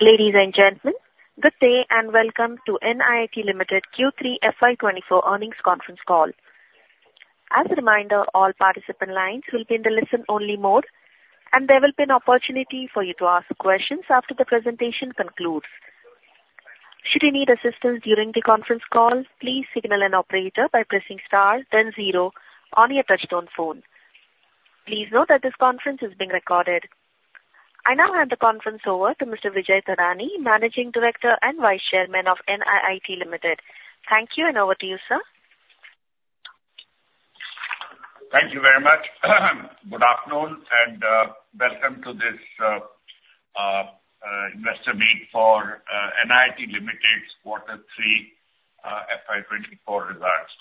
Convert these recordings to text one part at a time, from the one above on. Ladies and gentlemen, good day, and welcome to NIIT Limited Q3 FY2024 earnings Conference Call. As a reminder, all participant lines will be in the listen-only mode, and there will be an opportunity for you to ask questions after the presentation concludes. Should you need assistance during the Conference Call, please signal an operator by pressing star then zero on your touchtone phone. Please note that this conference is being recorded. I now hand the conference over to Mr. Vijay K. Thadani, Managing Director and Vice Chairman of NIIT Limited. Thank you, and over to you, sir. Thank you very much. Good afternoon, and welcome to this investor meet for NIIT Limited's Q3 FY 2024 results.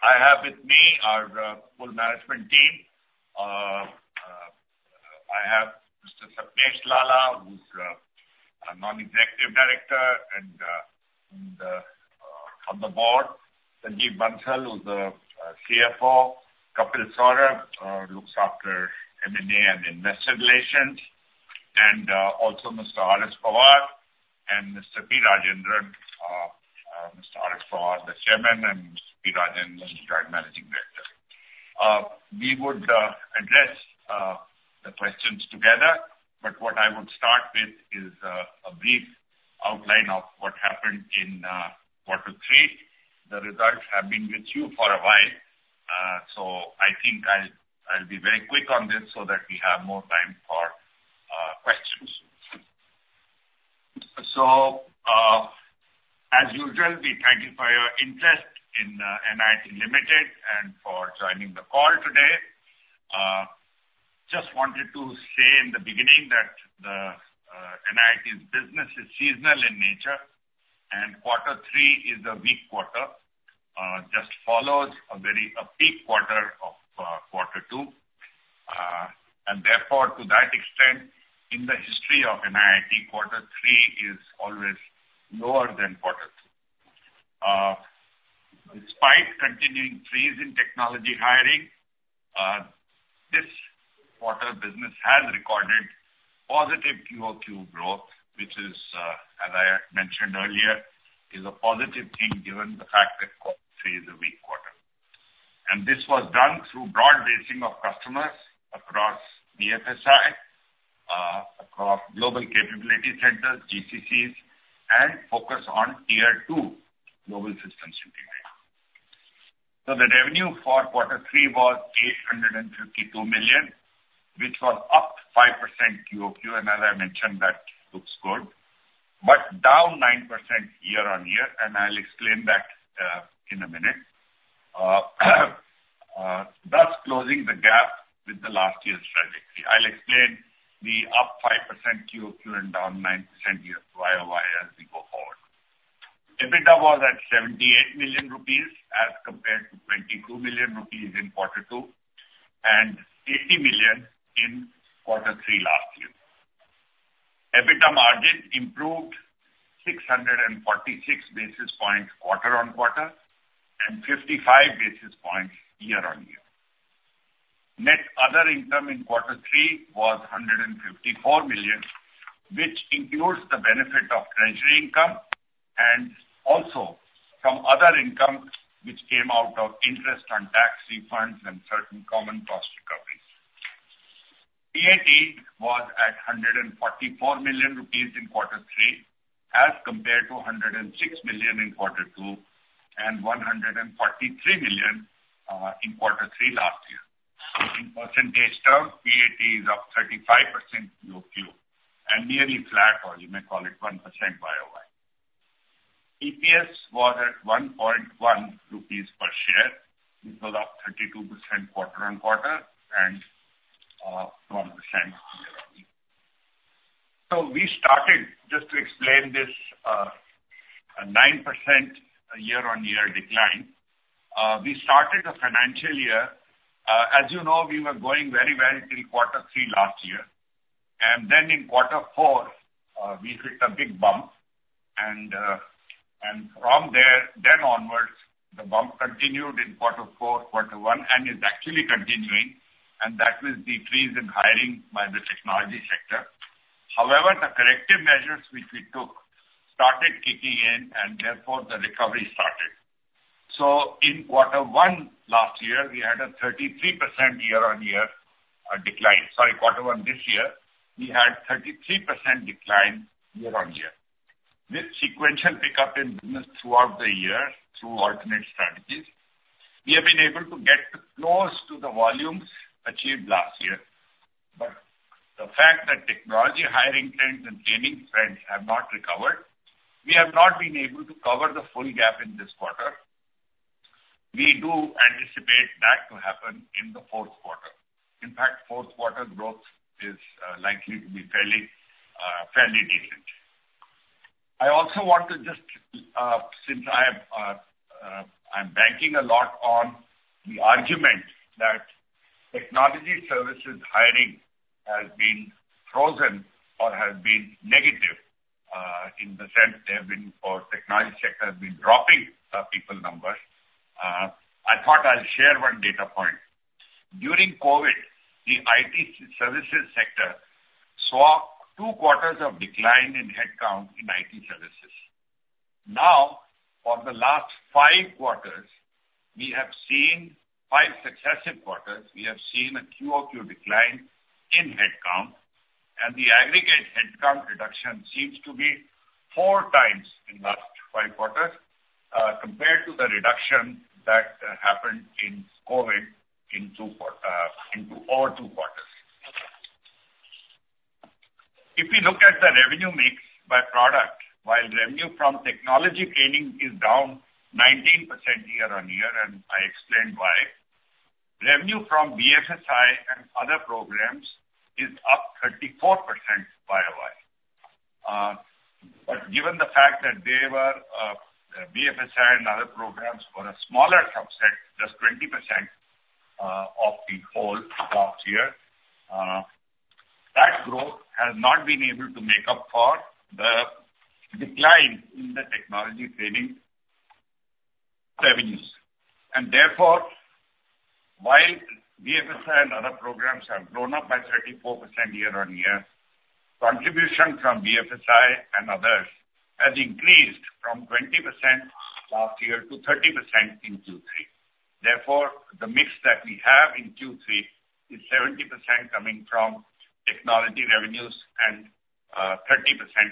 I have with me our full management team. I have Mr. Sapnesh Lalla, who's a Non-Executive Director, and on the board, Sanjeev Bansal, who's our CFO, Kapil Saurabh looks after M&A and Investor Relations, and also Mr. R.S. Pawar and Mr. P. Rajendran, Mr. R.S. Pawar, the Chairman, and Mr. P. Rajendran, the Managing Director. We would address the questions together, but what I would start with is a brief outline of what happened in quarter three. The results have been with you for a while, so I think I'll be very quick on this so that we have more time for questions. So, as usual, we thank you for your interest in NIIT Limited and for joining the call today. Just wanted to say in the beginning that NIIT's business is seasonal in nature, and quarter three is a weak quarter, just follows a very peak quarter of quarter two. And therefore, to that extent, in the history of NIIT, quarter three is always lower than quarter two. Despite continuing freeze in technology hiring, this quarter business has recorded positive QOQ growth, which is, as I mentioned earlier, a positive thing, given the fact that quarter three is a weak quarter. And this was done through broad basing of customers across BFSI, across Global Capability Centers, GCCs, and focus on tier two Global Systems Integrated. The revenue for quarter three was 852 million, which was up 5% QOQ, and as I mentioned, that looks good, but down 9% year-on-year, and I'll explain that in a minute. Thus closing the gap with the last year's trajectory. I'll explain the up 5% QOQ and down 9% year-on-year YOY, as we go forward. EBITDA was at 78 million rupees as compared to 22 million rupees in quarter two and 80 million in quarter three last year. EBITDA margin improved 646 basis points quarter-on-quarter and 55 basis points year-on-year. Net other income in quarter three was 154 million, which includes the benefit of treasury income and also from other income which came out of interest on tax refunds and certain common cost recoveries. PAT was at 144 million rupees in quarter three, as compared to 106 million in quarter two and 143 million in quarter three last year. In percentage terms, PAT is up 35% QOQ and nearly flat, or you may call it 1% YOY. EPS was at 1.1 rupees per share. This was up 32% quarter-over-quarter and 1% year-over-year. So we started, just to explain this, 9% year-over-year decline. We started the financial year, as you know, we were going very well till quarter three last year, and then in quarter four, we hit a big bump, and, and from there, then onwards, the bump continued in quarter four, quarter one, and is actually continuing, and that was the freeze in hiring by the technology sector. However, the corrective measures which we took started kicking in, and therefore the recovery started. So in quarter one last year, we had a 33% year-on-year decline. Sorry, quarter one this year, we had 33% decline year-on-year. With sequential pickup in business throughout the year through alternate strategies, we have been able to get close to the volumes achieved last year. But the fact that technology hiring trends and training trends have not recovered, we have not been able to cover the full gap in this quarter. We do anticipate that to happen in the fourth quarter. In fact, fourth quarter growth is likely to be fairly, fairly decent. I also want to just, since I have, I'm banking a lot on the argument that technology services hiring has been frozen or has been negative, in the sense they have been, or technology sector has been dropping the people numbers. I thought I'll share one data point. During COVID, the IT services sector saw two quarters of decline in headcount in IT services. Now, for the last five quarters, we have seen five successive quarters, we have seen a QOQ decline in headcount, and the aggregate headcount reduction seems to be four times in last five quarters, compared to the reduction that happened in COVID in two, over two quarters. If we look at the revenue mix by product, while revenue from technology training is down 19% year-on-year, and I explained why, revenue from BFSI and other programs is up 34% YOY. But given the fact that they were, BFSI and other programs were a smaller subset, just 20%, of the whole last year, that growth has not been able to make up for the decline in the technology training revenues. Therefore, while BFSI and other programs have grown up by 34% year-on-year, contribution from BFSI and others has increased from 20% last year to 30% in Q3. Therefore, the mix that we have in Q3 is 70% coming from technology revenues and 30%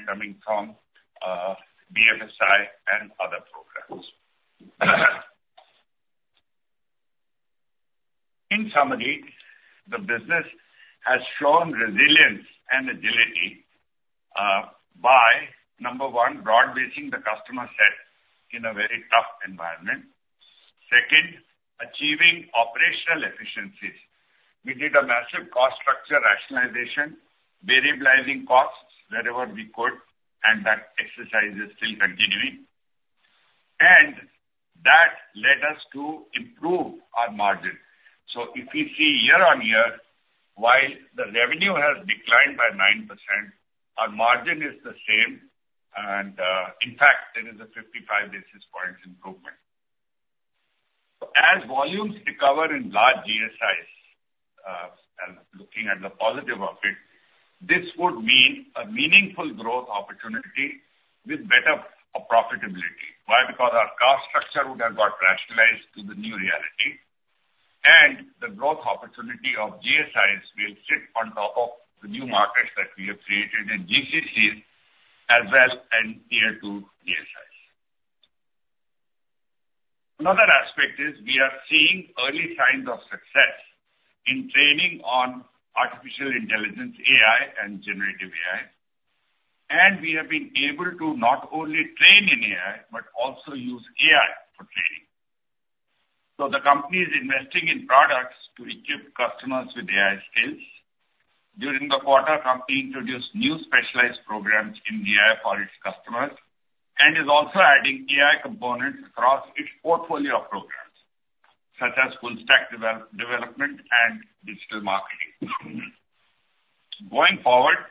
coming from BFSI and other programs. In summary, the business has shown resilience and agility by number one, broad-basing the customer set in a very tough environment. Second, achieving operational efficiencies. We did a massive cost structure rationalization, variabilizing costs wherever we could, and that exercise is still continuing. And that led us to improve our margin. So if we see year-on-year, while the revenue has declined by 9%, our margin is the same, and in fact, there is a 55 basis points improvement. As volumes recover in large GSIs, and looking at the positive of it, this would mean a meaningful growth opportunity with better profitability. Why? Because our cost structure would have got rationalized to the new reality, and the growth opportunity of GSIs will sit on top of the new markets that we have created in GCC as well and Tier two GSIs. Another aspect is we are seeing early signs of success in training on artificial intelligence, AI, and generative AI, and we have been able to not only train in AI, but also use AI for training. So the company is investing in products to equip customers with AI skills. During the quarter, company introduced new specialized programs in AI for its customers and is also adding AI components across its portfolio of programs, such as full stack development and digital marketing. Going forward,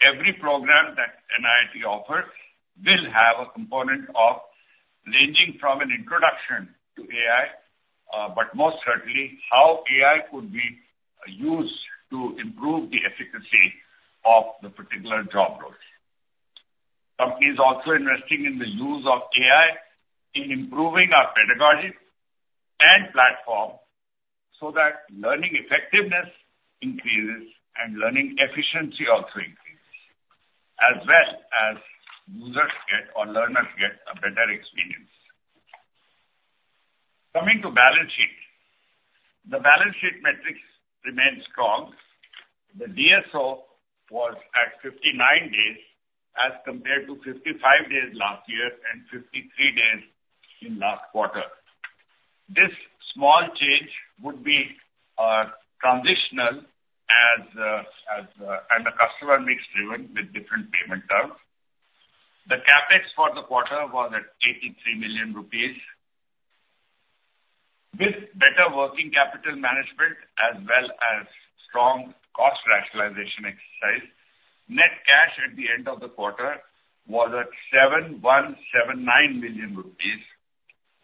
every program that NIIT offers will have a component of ranging from an introduction to AI, but most certainly how AI could be used to improve the efficacy of the particular job role. Company is also investing in the use of AI in improving our pedagogy and platform so that learning effectiveness increases and learning efficiency also increases, as well as users get or learners get a better experience. Coming to balance sheet. The balance sheet metrics remain strong. The DSO was at 59 days, as compared to 55 days last year and 53 days in last quarter. This small change would be transitional as and the customer mix driven with different payment terms. The CapEx for the quarter was at 83 million rupees. With better working capital management as well as strong cost rationalization exercise, net cash at the end of the quarter was at 7,179 million rupees,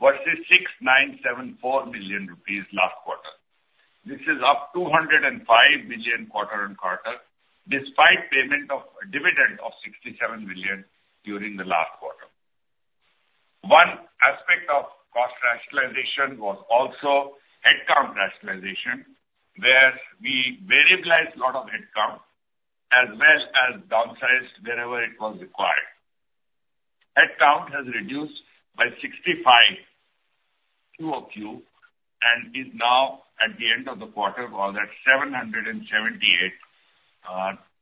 versus 6,974 million rupees last quarter. This is up 205 million quarter on quarter, despite payment of a dividend of 67 million during the last quarter. One aspect of cost rationalization was also headcount rationalization, where we variabilized lot of headcount as well as downsized wherever it was required. Headcount has reduced by 65 QOQ and is now at the end of the quarter was at 778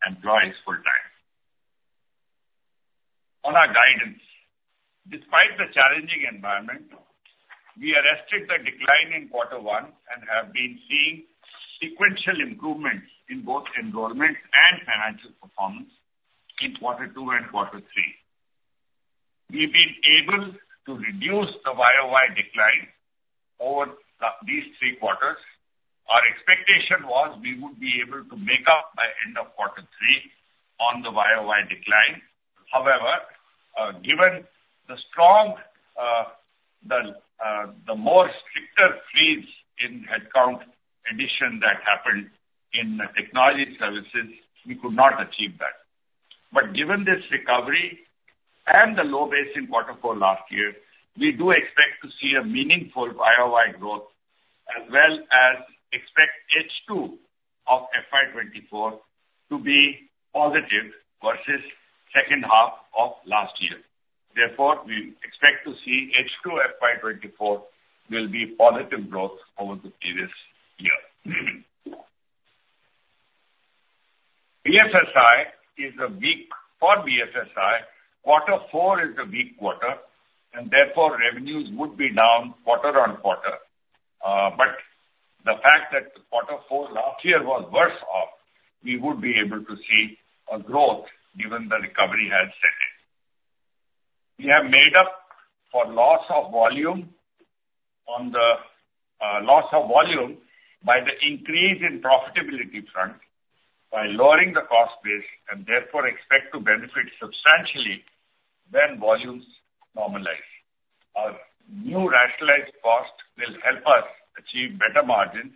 employees full time. On our guidance, despite the challenging environment, we arrested the decline in quarter one and have been seeing sequential improvements in both enrollment and financial performance in quarter two and quarter three. We've been able to reduce the YOY decline over these three quarters. Our expectation was we would be able to make up by end of quarter three on the YOY decline. However, Given the strong, the more stricter freeze in headcount addition that happened in technology services, we could not achieve that. But given this recovery and the low base in quarter four last year, we do expect to see a meaningful YOY growth, as well as expect H2 of FY 2024 to be positive versus second half of last year. Therefore, we expect to see H2 FY 2024 will be positive growth over the previous year. BFSI is a weak for BFSI, quarter four is the weak quarter, and therefore, revenues would be down quarter-on-quarter. But the fact that the quarter four last year was worse off, we would be able to see a growth given the recovery has set in. We have made up for loss of volume on the, loss of volume by the increase in profitability front, by lowering the cost base, and therefore expect to benefit substantially when volumes normalize. Our new rationalized costs will help us achieve better margins,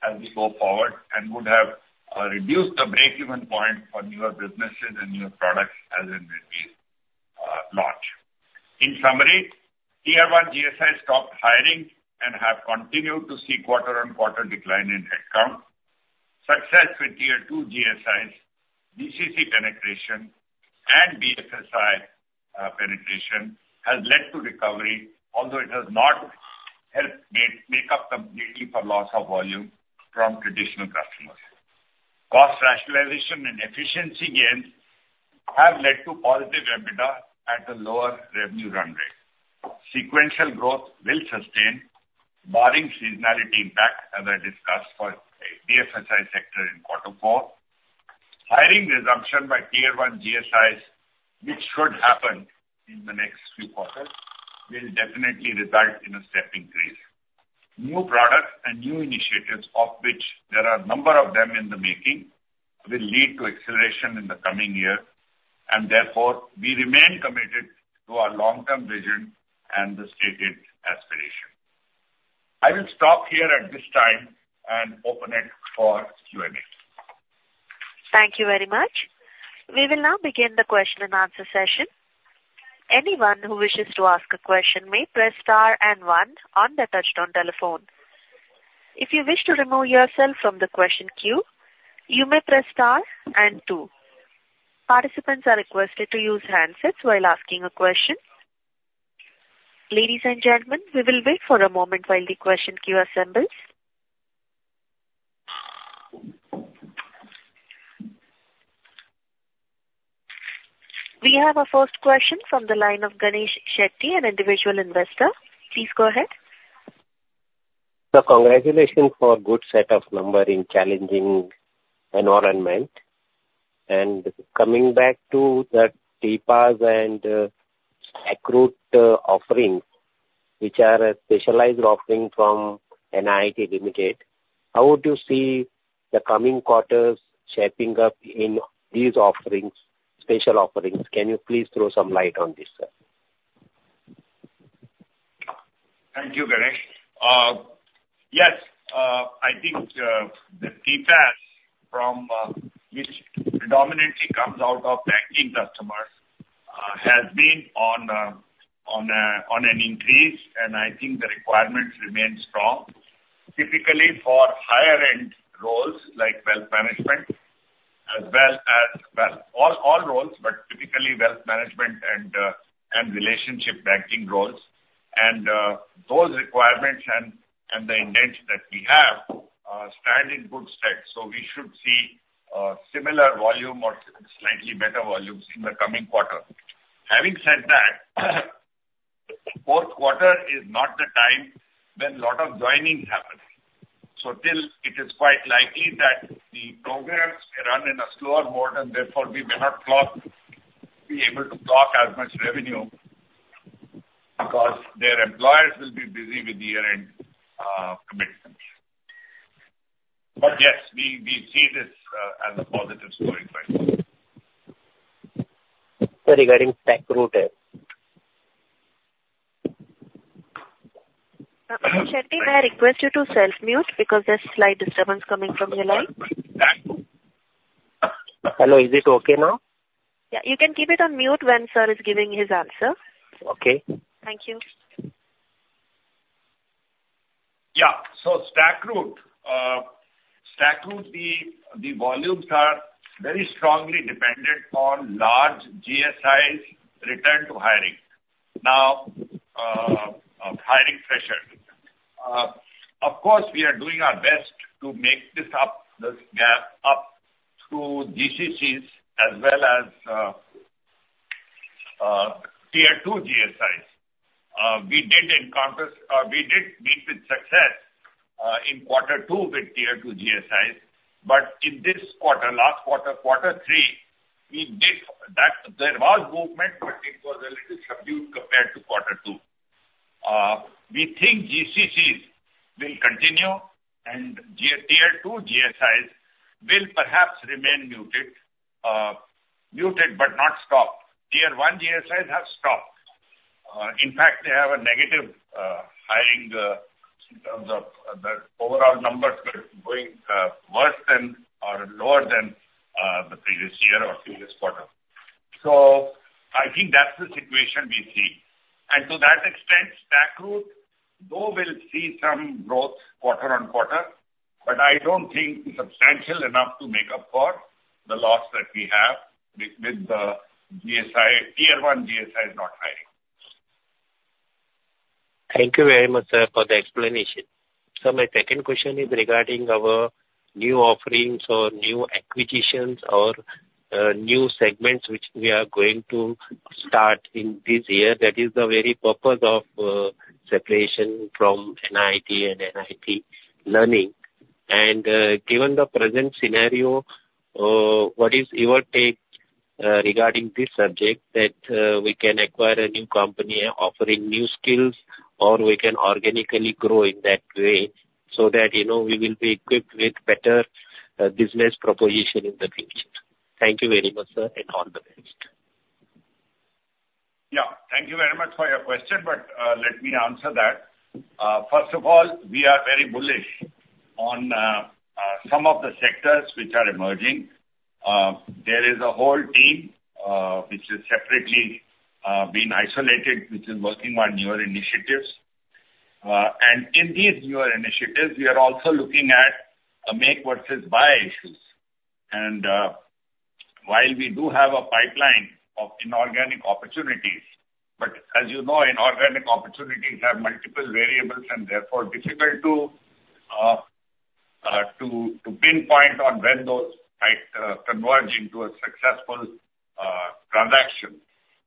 as we go forward, and would have, reduced the break-even point for newer businesses and newer products as and when we, launch. In summary, Tier one GSIs stopped hiring and have continued to see quarter-on-quarter decline in headcount. Success with Tier two GSIs, DCC penetration, and BFSI, penetration, has led to recovery, although it has not helped make up completely for loss of volume from traditional customers. Cost rationalization and efficiency gains have led to positive EBITDA at a lower revenue run rate. Sequential growth will sustain, barring seasonality impact, as I discussed for BFSI sector in quarter four. Hiring resumption by Tier one GSIs, which should happen in the next few quarters, will definitely result in a step increase. New products and new initiatives, of which there are a number of them in the making, will lead to acceleration in the coming year, and therefore we remain committed to our long-term vision and the stated aspiration. I will stop here at this time and open it for Q&A. Thank you very much. We will now begin the question-and-answer session. Anyone who wishes to ask a question may press star and one on the touchtone telephone. If you wish to remove yourself from the question queue, you may press star and two. Participants are requested to use handsets while asking a question. Ladies and gentlemen, we will wait for a moment while the question queue assembles. We have our first question from the line of Ganesh Shetty, an individual investor. Please go ahead. Sir, congratulations for good set of number in challenging environment. And coming back to the TPaaS and StackRoute offerings, which are a specialized offering from NIIT Limited, how would you see the coming quarters shaping up in these offerings, special offerings? Can you please throw some light on this, sir? Thank you, Ganesh. Yes, I think the TPaaS from, which predominantly comes out of banking customers, has been on an increase, and I think the requirements remain strong. Typically, for higher-end roles, like wealth management, as well as, well, all, all roles, but typically wealth management and relationship banking roles. And, those requirements and the intent that we have stand in good stead. So we should see similar volume or slightly better volumes in the coming quarter. Having said that, fourth quarter is not the time when a lot of joinings happen. So, it is quite likely that the programs run in a slower mode, and therefore we may not be able to clock as much revenue, because their employers will be busy with year-end commitments. Yes, we see this as a positive story for us. Sir, regarding StackRoute, Mr. Shetty, may I request you to self-mute because there's slight disturbance coming from your line? Hello, is it okay now? Yeah, you can keep it on mute when sir is giving his answer. Okay. Thank you. Yeah. So StackRoute. StackRoute, the volumes are very strongly dependent on large GSIs return to hiring. Now, hiring fresher. Of course, we are doing our best to make this up, this gap, up through GCCs as well as Tier two GSIs. We did encounter, we did meet with success in quarter two with Tier two GSIs, but in this quarter, last quarter, quarter three, we did. That there was movement, but it was a little subdued compared to quarter two. We think GCCs will continue and Tier two GSIs will perhaps remain muted, muted but not stopped. Tier one GSIs have stopped. In fact, they have a negative hiring in terms of the overall numbers going worse than or lower than the previous year or previous quarter. I think that's the situation we see. To that extent, StackRoute, though will see some growth quarter-over-quarter, but I don't think substantial enough to make up for the loss that we have with the GSI, Tier 1 GSIs not hiring. Thank you very much, sir, for the explanation. So my second question is regarding our new offerings or new acquisitions or new segments which we are going to start in this year. That is the very purpose of separation from NIIT and NIIT Learning. And given the present scenario, what is your take regarding this subject, that we can acquire a new company offering new skills, or we can organically grow in that way so that, you know, we will be equipped with better business proposition in the future? Thank you very much, sir, and all the best. Yeah. Thank you very much for your question, but let me answer that. First of all, we are very bullish on some of the sectors which are emerging. There is a whole team which is separately being isolated, which is working on newer initiatives. And in these newer initiatives, we are also looking at a make versus buy issues. And while we do have a pipeline of inorganic opportunities, but as you know, inorganic opportunities have multiple variables and therefore difficult to pinpoint on when those might converge into a successful transaction.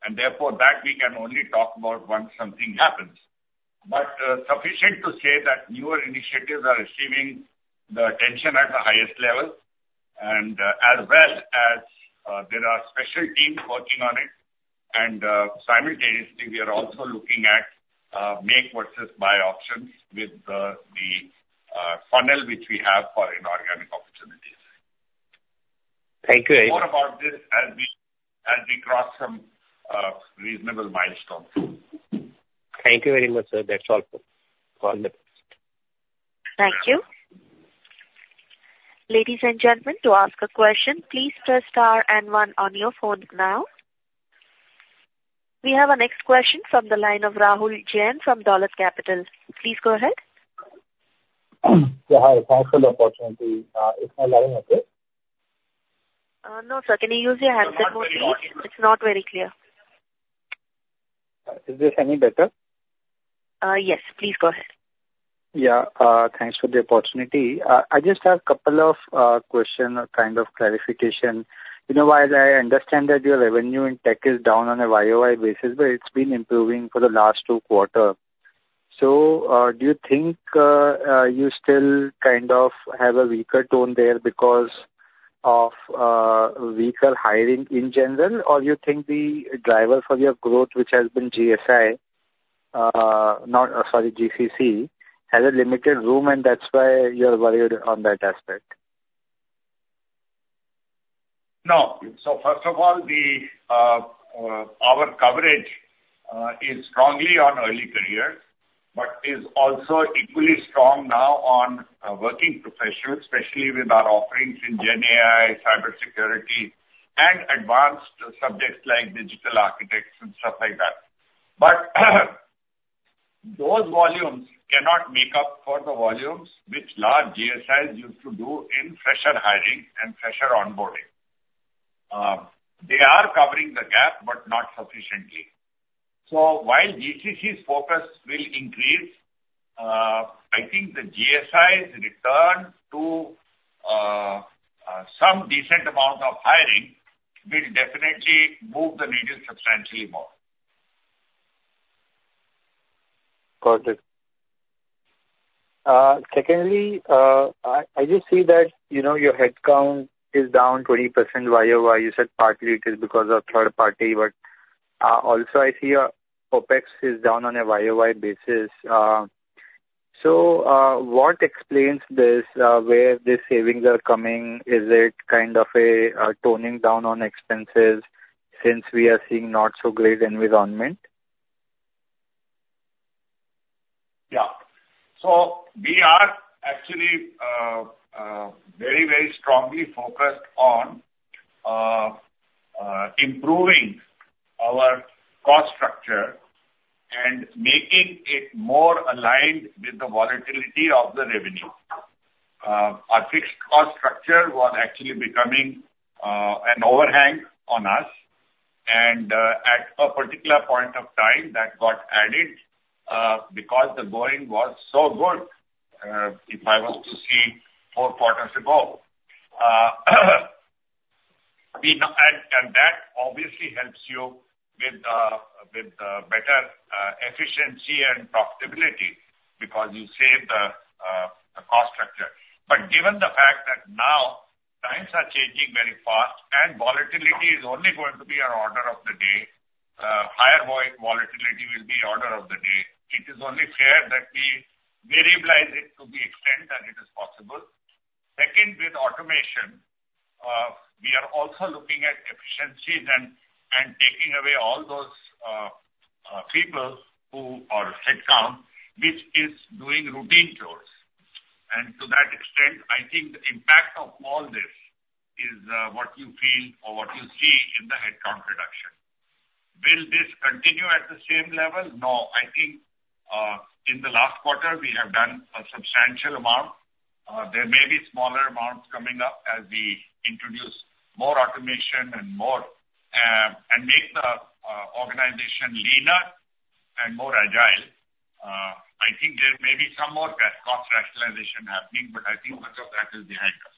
And therefore, that we can only talk about once something happens. But sufficient to say that newer initiatives are receiving the attention at the highest level, and as well as there are special teams working on it. And, simultaneously, we are also looking at make versus buy options with the funnel which we have for inorganic opportunities. Thank you very much. More about this as we cross some reasonable milestones. Thank you very much, sir. That's all for now. Thank you. Ladies and gentlemen, to ask a question, please press star and one on your phone now. We have our next question from the line of Rahul Jain from Dolat Capital. Please go ahead. Yeah, hi, thanks for the opportunity. Is my volume okay? No, sir. Can you use your handset more please? It's not very clear. Is this any better? Yes, please go ahead. Yeah, thanks for the opportunity. I just have a couple of question or kind of clarification. You know, while I understand that your revenue in tech is down on a YOY basis, but it's been improving for the last two quarter. So, do you think you still kind of have a weaker tone there because of weaker hiring in general? Or you think the driver for your growth, which has been GSI, not... Sorry, GCC, has a limited room and that's why you're worried on that aspect? No. So first of all, our coverage is strongly on early careers, but is also equally strong now on working professionals, especially with our offerings in GenAI, cybersecurity, and advanced subjects like digital architects and stuff like that. But, those volumes cannot make up for the volumes which large GSIs used to do in fresher hiring and fresher onboarding. They are covering the gap, but not sufficiently. So while GCC's focus will increase, I think the GSI's return to some decent amount of hiring will definitely move the needle substantially more. Got it. Secondly, I just see that, you know, your headcount is down 20% YOY. You said partly it is because of third party, but also I see your OpEx is down on a YOY basis. So, what explains this, where the savings are coming? Is it kind of a toning down on expenses since we are seeing not so great environment? Yeah. So we are actually very, very strongly focused on improving our cost structure and making it more aligned with the volatility of the revenue. Our fixed cost structure was actually becoming an overhang on us, and at a particular point of time, that got added because the going was so good if I was to see four quarters ago. We now and that obviously helps you with better efficiency and profitability because you save the cost structure. But given the fact is only going to be our order of the day. Higher volatility will be order of the day. It is only fair that we variabilize it to the extent that it is possible. Second, with automation, we are also looking at efficiency then and taking away all those, people who are headcount, which is doing routine chores. And to that extent, I think the impact of all this is, what you feel or what you see in the headcount reduction. Will this continue at the same level? No. I think, in the last quarter, we have done a substantial amount. There may be smaller amounts coming up as we introduce more automation and more, and make the, organization leaner and more agile. I think there may be some more cost rationalization happening, but I think much of that is behind us.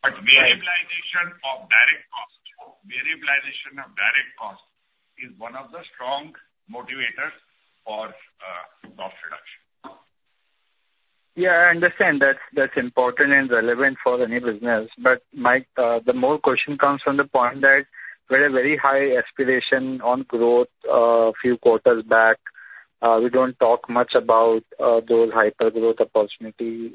But variabilization of direct costs, variabilization of direct costs is one of the strong motivators for, cost reduction. Yeah, I understand that's, that's important and relevant for any business. But Mike, the more question comes from the point that we had a very high aspiration on growth, a few quarters back. We don't talk much about, those hyper-growth opportunity,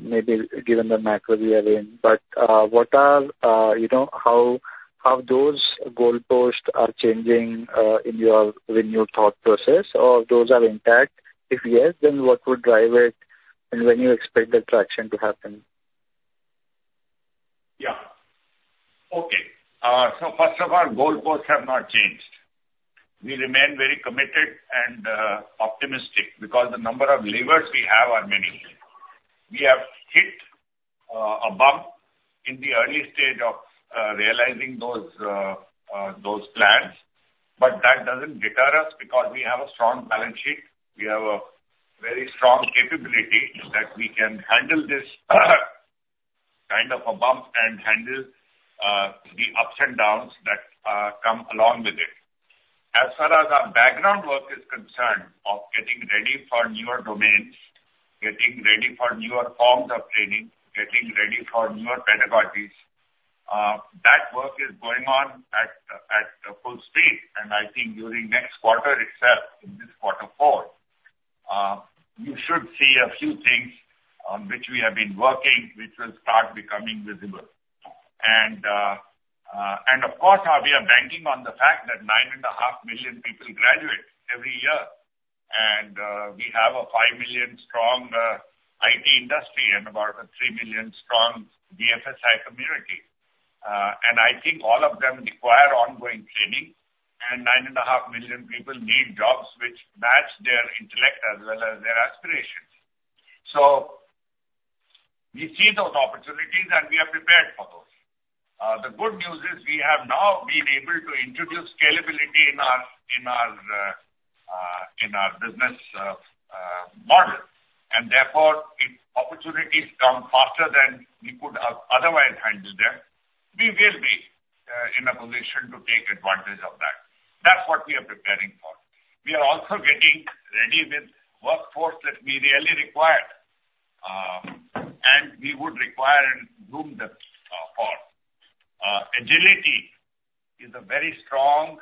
maybe given the macro we are in. But, what are, you know, how, how those goalposts are changing, in your, in your thought process, or those are intact? If yes, then what would drive it, and when you expect the traction to happen? Yeah. Okay. So first of all, goalposts have not changed. We remain very committed and optimistic because the number of levers we have are many. We have hit a bump in the early stage of realizing those plans, but that doesn't deter us because we have a strong balance sheet. We have a very strong capability that we can handle this kind of a bump and handle the ups and downs that come along with it. As far as our background work is concerned of getting ready for newer domains, getting ready for newer forms of training, getting ready for newer pedagogies, that work is going on at a full speed. I think during next quarter itself, in this quarter four, you should see a few things on which we have been working, which will start becoming visible. And, and of course, we are banking on the fact that 9.5 million people graduate every year, and, we have a five million strong IT industry and about a three million strong BFSI community. And I think all of them require ongoing training, and 9.5 million people need jobs which match their intellect as well as their aspirations. So we see those opportunities, and we are prepared for those. The good news is we have now been able to introduce scalability in our business model, and therefore, if opportunities come faster than we could otherwise handle them, we will be in a position to take advantage of that. That's what we are preparing for. We are also getting ready with workforce that we really require, and we would require in room depth for. Agility is a very strong,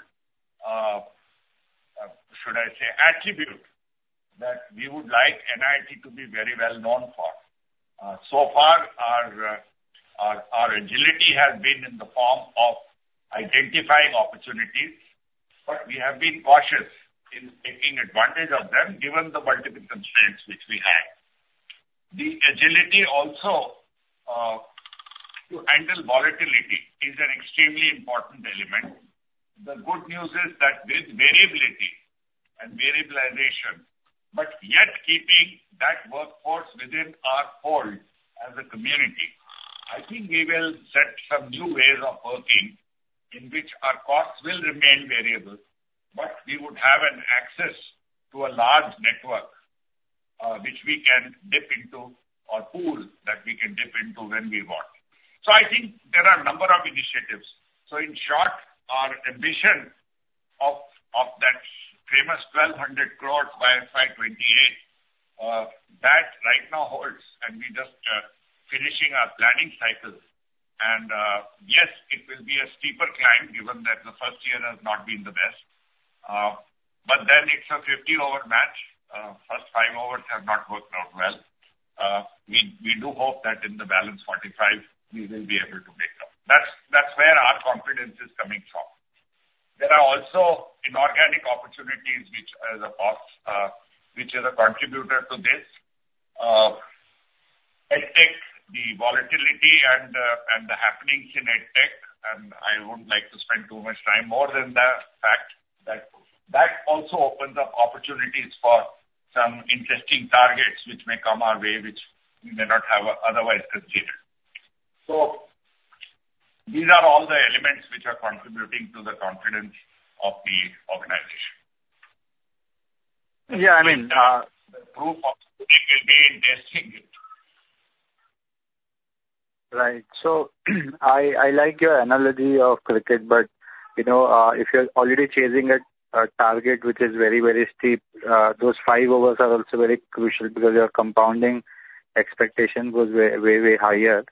should I say, attribute, that we would like NIIT to be very well known for. So far, our agility has been in the form of identifying opportunities, but we have been cautious in taking advantage of them, given the multiple constraints which we had. The agility also to handle volatility is an extremely important element. The good news is that with variability and variabilization, but yet keeping that workforce within our fold as a community, I think we will set some new ways of working in which our costs will remain variable, but we would have an access to a large network, which we can dip into or pool, that we can dip into when we want. So I think there are a number of initiatives. So in short, our ambition of that famous 1,200 crore by FY 2028 right now holds, and we're just finishing our planning cycles. And yes, it will be a steeper climb, given that the first year has not been the best. But then it's a 50 over match. First five overs have not worked out well. We do hope that in the balance 45, we will be able to make up. That's where our confidence is coming from. There are also inorganic opportunities which as a cost, which is a contributor to this. EdTech, the volatility and the happenings in EdTech, and I wouldn't like to spend too much time more than the fact that that also opens up opportunities for some interesting targets which may come our way, which we may not have otherwise considered. So these are all the elements which are contributing to the confidence of the organization. Yeah, I mean, The growth of IT will be interesting. Right. So I like your analogy of cricket, but you know, if you're already chasing a target which is very, very steep, those five overs are also very crucial because your compounding expectation goes way, way, way higher.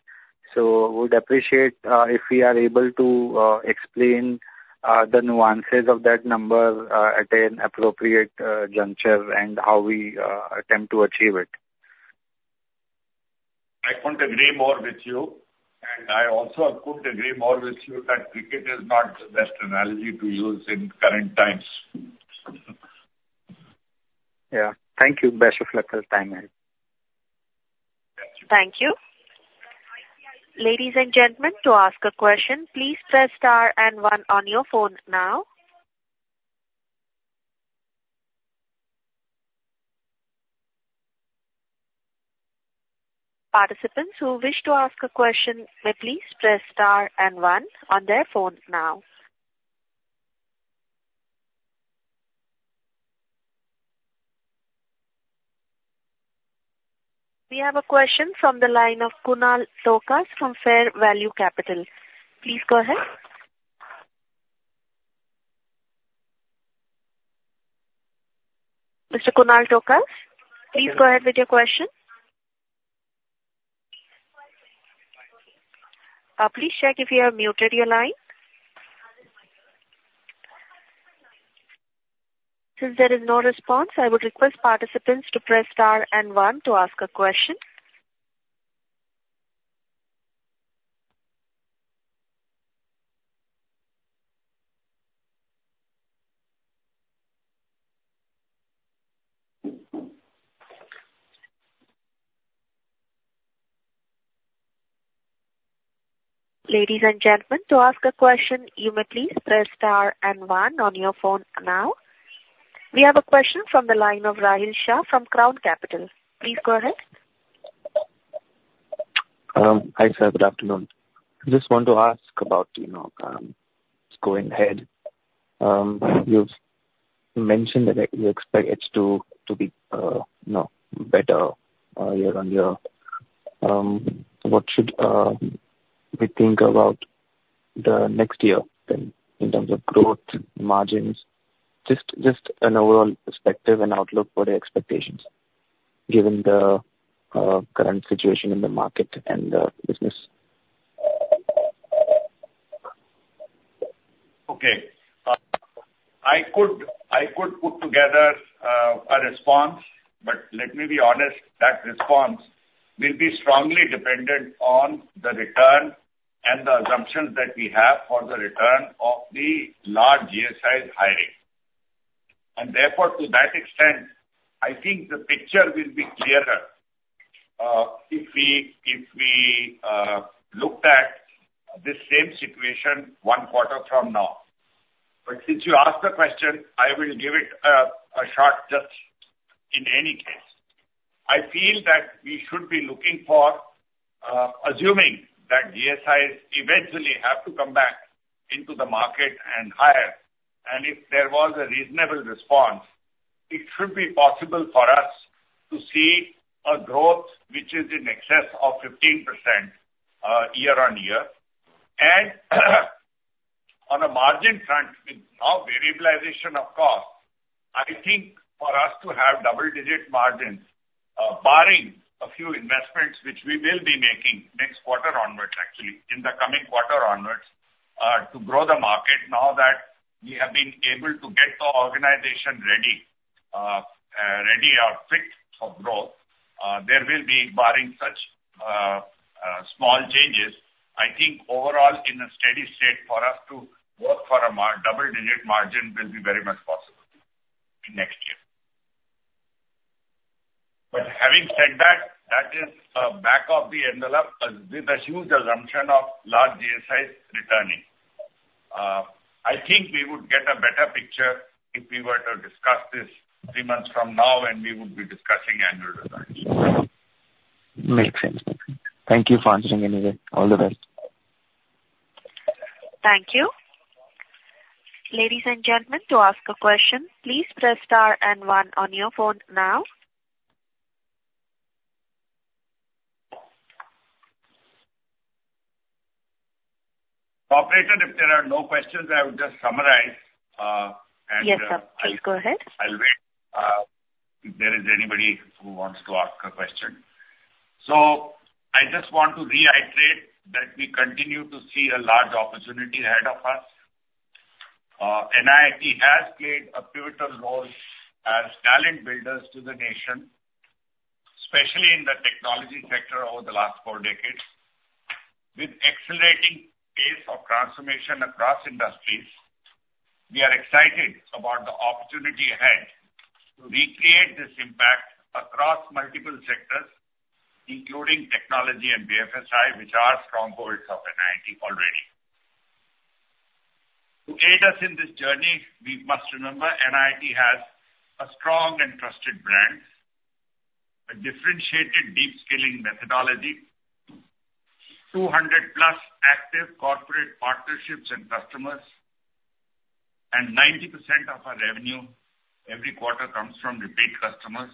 So we'd appreciate if we are able to explain the nuances of that number at an appropriate juncture and how we attempt to achieve it. I couldn't agree more with you, and I also couldn't agree more with you that cricket is not the best analogy to use in current times. Yeah. Thank you. Best of luck this time. Thank you. Ladies and gentlemen, to ask a question, please Press Star and one on your phone now. Participants who wish to ask a question may please Press Star and one on their phone now. We have a question from the line of Kunal Tokas from Fair Value Capital. Please go ahead. Mr. Kunal Tokas, please go ahead with your question. Please check if you have muted your line. Since there is no response, I would request participants to Press Star and one to ask a question. Ladies and gentlemen, to ask a question, you may please Press Star and one on your phone now. We have a question from the line of Rahil Shah from Crown Capital. Please go ahead. Hi, sir. Good afternoon. Just want to ask about, you know, going ahead. You've mentioned that you expect it to be, you know, better year on year. What should we think about the next year then, in terms of growth, margins? Just an overall perspective and outlook for the expectations, given the current situation in the market and the business. Okay. I could, I could put together a response, but let me be honest, that response will be strongly dependent on the return and the assumptions that we have for the return of the large GSI hiring. And therefore, to that extent, I think the picture will be clearer if we, if we looked at this same situation one quarter from now. But since you asked the question, I will give it a shot just in any case. I feel that we should be looking for, assuming that GSIs eventually have to come back into the market and hire, and if there was a reasonable response, it should be possible for us to see a growth which is in excess of 15% year-on-year. On a margin front, with our variabilization of costs, I think for us to have double-digit margins, barring a few investments which we will be making next quarter onwards, actually, in the coming quarter onwards, to grow the market, now that we have been able to get the organization ready, ready or fit for growth, there will be barring such small changes. I think overall, in a steady state, for us to work for a double-digit margin will be very much possible in next year. But having said that, that is back of the envelope, with a huge assumption of large GSIs returning. I think we would get a better picture if we were to discuss this three months from now, and we would be discussing annual results. Makes sense. Thank you for answering anyway. All the best. Thank you. Ladies and gentlemen, to ask a question, please Press Star and one on your phone now. Operator, if there are no questions, I would just summarize. Yes, sir. Please go ahead. I'll wait if there is anybody who wants to ask a question. I just want to reiterate that we continue to see a large opportunity ahead of us. NIIT has played a pivotal role as talent builders to the nation, especially in the technology sector over the last four decades. With accelerating pace of transformation across industries, we are excited about the opportunity ahead to recreate this impact across multiple sectors, including technology and BFSI, which are strongholds of NIIT already. To aid us in this journey, we must remember NIIT has a strong and trusted brand, a differentiated deep skilling methodology, 200+ active corporate partnerships and customers, and 90% of our revenue every quarter comes from repeat customers.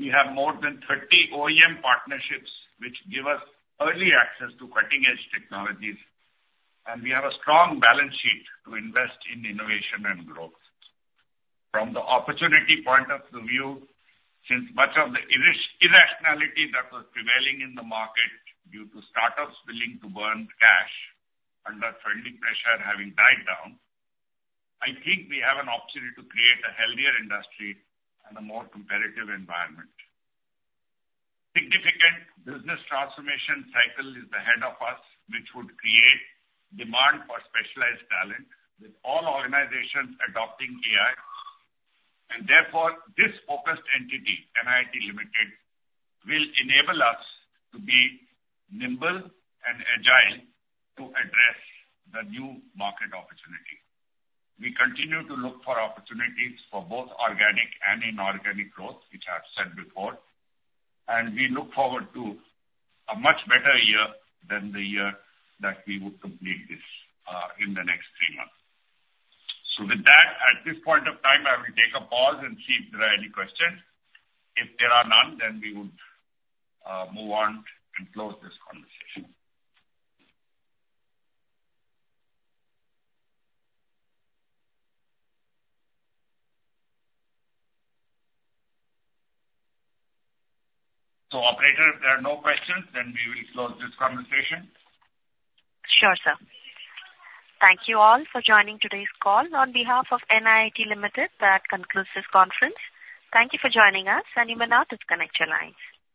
We have more than 30 OEM partnerships, which give us early access to cutting-edge technologies, and we have a strong balance sheet to invest in innovation and growth. From the opportunity point of view, since much of the irrationality that was prevailing in the market due to startups willing to burn cash under funding pressure having died down, I think we have an opportunity to create a healthier industry and a more competitive environment. Significant business transformation cycle is ahead of us, which would create demand for specialized talent, with all organizations adopting AI. And therefore, this focused entity, NIIT Limited, will enable us to be nimble and agile to address the new market opportunity. We continue to look for opportunities for both organic and inorganic growth, which I've said before, and we look forward to a much better year than the year that we would complete this, in the next three months. So with that, at this point of time, I will take a pause and see if there are any questions. If there are none, then we would, move on and close this conversation. So Operator, if there are no questions, then we will close this conversation. Sure, sir. Thank you all for joining today's call. On behalf of NIIT Limited, that concludes this conference. Thank you for joining us, and you may now disconnect your lines.